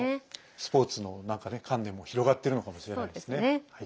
スポーツの観念も広がっているかもしれませんね。